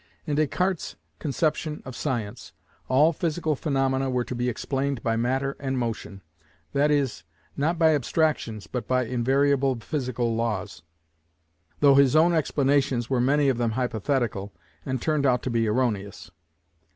In Descartes' conception of science, all physical phaenomena were to be explained by matter and motion, that is, not by abstractions but by invariable physical laws: though his own explanations were many of them hypothetical, and turned out to be erroneous.